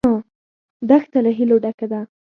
دښته له هیلو ډکه ده.